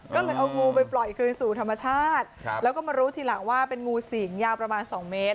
ก็เลยเอางูไปปล่อยคืนสู่ธรรมชาติแล้วก็มารู้ทีหลังว่าเป็นงูสิงยาวประมาณสองเมตร